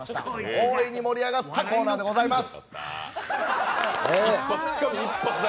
大いに盛り上がったコーナーでございます。